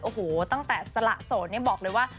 โอ้โฮตั้งแต่สระส้อนบอกเลยว่า